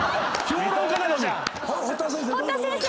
堀田先生